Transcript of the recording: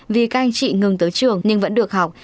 vì các anh chị ngừng tới trường nhưng vẫn được học